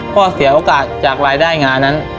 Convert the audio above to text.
เสียโอกาสจากรายได้งานนั้น